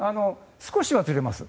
少しはずれます。